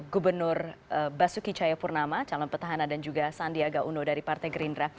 gubernur basuki cahayapurnama calon petahana dan juga sandiaga uno dari partai gerindra